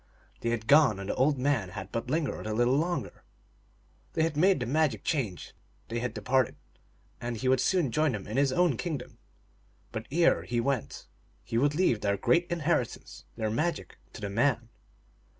They had gone, and the old man had but lingered a little longer. They had made the magic change, they had departed, and he would soon join them in Ms own kingdom. But ere he went he would leave their great inheritance, their magic, to the man.